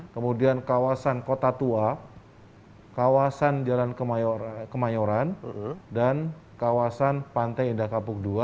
kemudian kawasan kota tua kawasan jalan kemayoran dan kawasan pantai indah kapuk ii